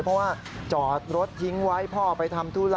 เพราะว่าจอดรถทิ้งไว้พ่อไปทำธุระ